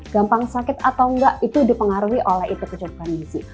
gampang sakit atau nggak itu dipengaruhi oleh itu kecuali kondisi